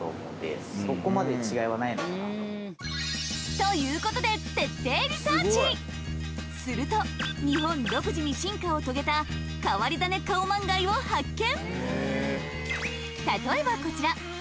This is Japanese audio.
ということですると日本独自に進化を遂げた変わり種カオマンガイを発見